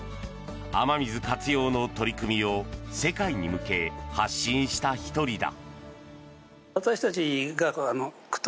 雨水活用の取り組みを世界に向け、発信した１人だ。